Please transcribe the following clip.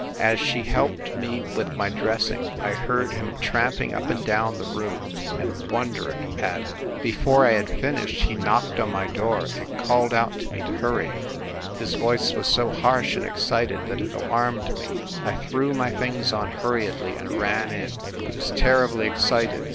As she helped me with my dressing I heard him tramping up and down the room, and wondered at it. Before I had finished, he knocked on my door and called out for me to hurry. His voice was so harsh and excited that it alarmed me. I threw my things^ on hurriedly and ran in. He was terribly excited.